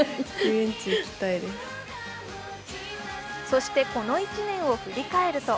そして、この１年を振り返ると